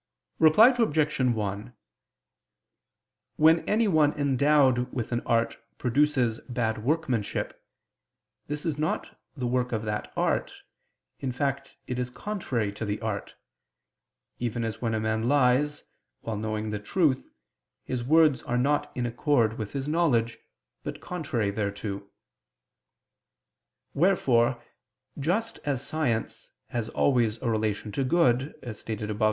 Reply Obj. 1: When anyone endowed with an art produces bad workmanship, this is not the work of that art, in fact it is contrary to the art: even as when a man lies, while knowing the truth, his words are not in accord with his knowledge, but contrary thereto. Wherefore, just as science has always a relation to good, as stated above (A.